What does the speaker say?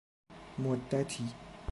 مدتی